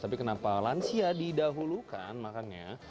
tapi kenapa lansia didahulukan makannya